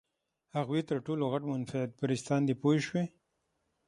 هغوی تر ټولو غټ منفعت پرستان دي پوه شوې!.